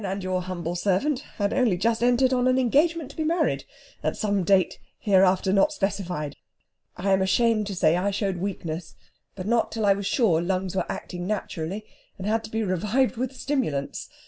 and your humble servant had only just entered on an engagement to be married at some date hereafter not specified. I am ashamed to say I showed weakness (but not till I was sure the lungs were acting naturally), and had to be revived with stimulants!